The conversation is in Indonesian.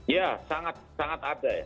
ya sangat sangat ada ya